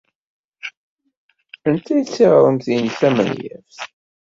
Anta ay d tiɣremt-nnek tamenyaft?